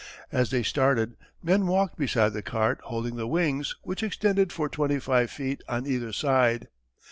As they started men walked beside the cart holding the wings, which extended for twenty five feet on either side.